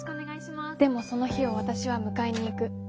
でも、その日を私は迎えに行く。